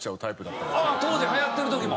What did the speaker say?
当時流行ってる時も？